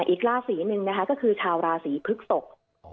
อีกราศีหนึ่งนะคะก็คือชาวราศีพฤกษก